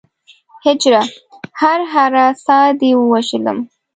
هجره! هره هره ساه دې ووژلم